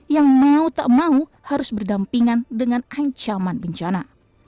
yang mau tak mau harus berdampingan dengan ancaman bencana